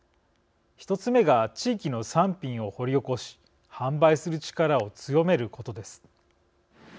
１つ目が、地域の産品を掘り起こし販売する力を強めることです。